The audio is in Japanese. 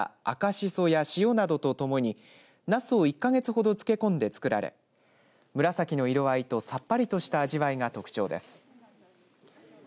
この時期は、６月から８月にかけて、地元で収穫された赤しそや、塩などとともになすを１か月ほど漬け込んで作られ紫の色合いと、さっぱりとした味わいが特徴です。